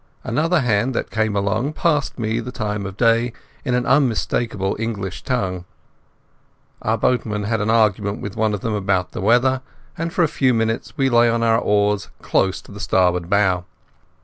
Another hand that came along passed me the time of day in an unmistakable English tongue. Our boatman had an argument with one of them about the weather, and for a few minutes we lay on our oars close to the starboard bow.